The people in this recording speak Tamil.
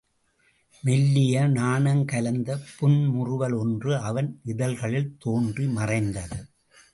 மெல்லிய நாணங் கலந்த புன்முறுவல் ஒன்று அவன் இதழ்களில் தோன்றி மறைந்தது.